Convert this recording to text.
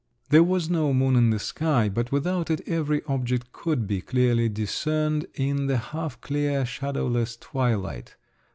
There was no moon in the sky, but without it every object could be clearly discerned in the half clear, shadowless twilight.